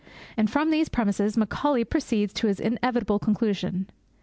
And from these premisses, Macaulay proceeds to his inevitable conclusion.